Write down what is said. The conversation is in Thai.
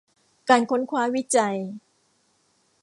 การค้นคว้าวิจัย